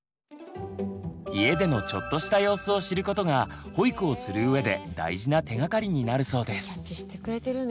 家でのちょっとした様子を知ることが保育をする上で大事な手がかりになるそうです。